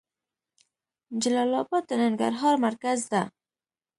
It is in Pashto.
جلال اباد د ننګرهار مرکز ده.